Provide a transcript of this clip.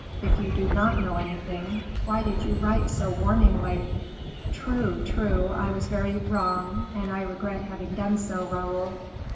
If you do not know anything, why did you write so warningly?" "True, true, I was very wrong, and I regret having done so, Raoul.